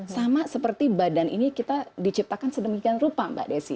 sama seperti badan ini kita diciptakan sedemikian rupa mbak desi